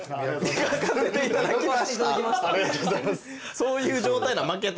磨かせていただきます。